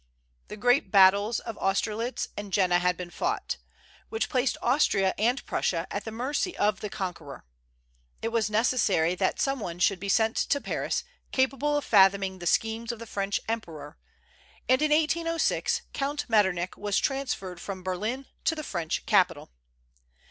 The great battles of Austerlitz and Jena had been fought, which placed Austria and Prussia at the mercy of the conqueror. It was necessary that some one should be sent to Paris capable of fathoming the schemes of the French emperor, and in 1806 Count Metternich was transferred from Berlin to the French capital.